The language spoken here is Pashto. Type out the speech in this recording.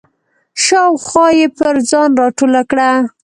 شاوخوا یې پر ځان راټوله کړه.